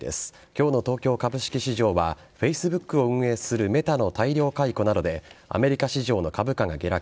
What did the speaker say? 今日の東京株式市場はＦａｃｅｂｏｏｋを運営するＭｅｔａの大量解雇などでアメリカ市場の株価が下落。